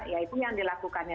ya itu yang dilakukannya